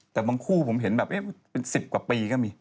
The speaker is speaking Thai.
แต่บางคู่ผมเห็นแบบเป็น๑๐กว่าปีก็มี